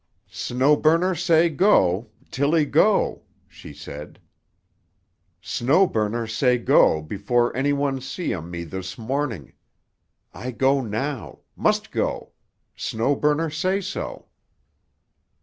"Snow Burner say 'go'; Tilly go," she said. "Snow Burner say go before any one see um me this morning. I go now. Must go; Snow Burner say so."